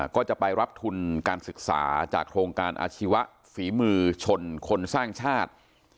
ก็จะไปรับทุนการศึกษาจากโครงการอาชีวะฝีมือชนคนสร้างชาติ